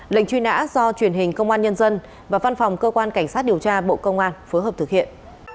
lệnh truy nã do truyền hình công an nhân dân và văn phòng cơ quan cảnh sát điều tra bộ công an phối hợp thực hiện